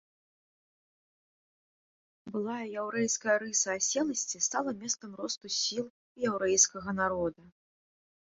Былая яўрэйская рыса аселасці стала месцам росту сіл і яўрэйскага народа.